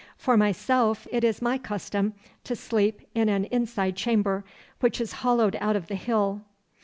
For myself, it is my custom to sleep in an inside chamber, which is hollowed out of the hill.